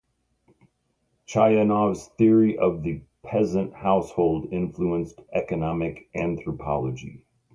Chayanov's theory of the peasant household influenced economic anthropology.